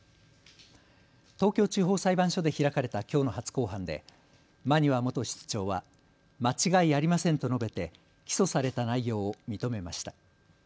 東京地方裁判所で開かれたきょうの初公判で馬庭元室長は間違いありませませんと述べて起訴された内容を認めました。